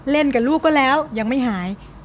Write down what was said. กับลูกก็แล้วยังไม่หาย